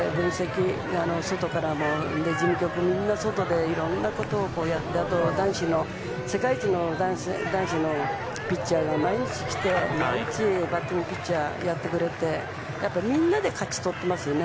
みんな外でいろんなことをやってあと、世界一の男子のピッチャーが毎日来てバッティングピッチャーやってくれてみんなで勝ち取ってますよね。